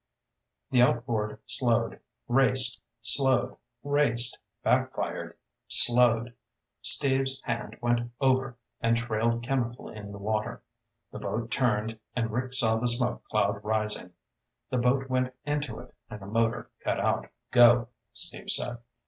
The outboard slowed, raced, slowed, raced, back fired, slowed. Steve's hand went over and trailed chemical in the water. The boat turned, and Rick saw the smoke cloud rising. The boat went into it, and the motor cut out. "Go," Steve said.